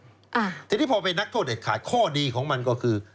อ่าทีนี้พอเป็นนักโทษเด็ดขาดข้อดีของมันก็คือ